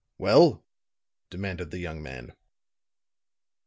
"Well?" demanded the young man.